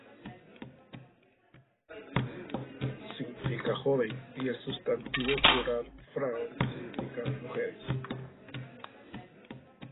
El adjetivo "jung" significa "joven" y el sustantivo plural "frauen" significa "mujeres".